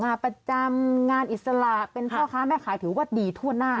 งานประจำงานอิสระเป็นพ่อค้าแม่ขายถือว่าดีทั่วหน้า